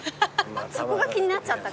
そこが気になっちゃった。